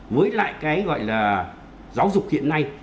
với lại cái gọi là giáo dục hiện nay